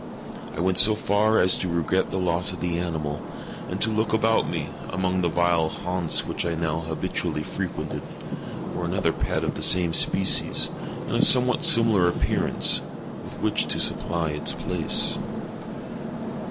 I went so far as to regret the loss of the animal, and to look about me, among the vile haunts which I now habitually frequented, for another pet of the same species, and of somewhat similar appearance, with which to supply its place.